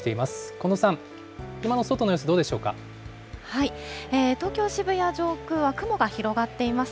近藤さん、今の外の様子、どうで東京・渋谷上空は雲が広がっています。